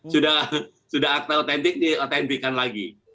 sudah sudah akte otentik diotentikan lagi